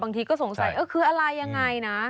ที่ก็สงสัยเออคืออะไรยังไงนะ